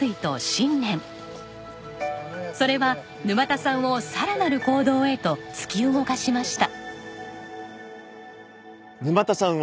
それは沼田さんをさらなる行動へと突き動かしました。